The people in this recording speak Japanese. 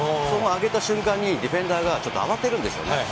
その上げた瞬間に、ディフェンダーがちょっと慌てるんですよね。